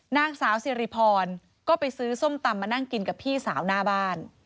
นางสาวสิริพรก็ไปซื้อส้มตำมานั่งกินกับพี่สาวหน้าบ้าน